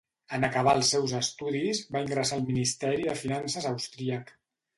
En acabar els seus estudis, va ingressar al Ministeri de Finances austríac.